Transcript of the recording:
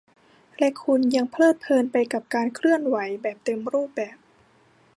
และคุณยังเพลิดเพลินไปกับการเคลื่อนไหวแบบเต็มรูปแบบ